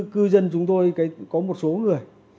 cư dân chúng tôi có một số người